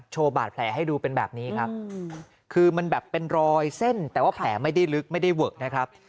โชว์บาดแผลให้ดูเป็นแบบนี้ครับคือมันแบบเป็นรอยเส้นแต่ว่าแผลไม่ได้ลึกไม่ได้เวอะนะครับ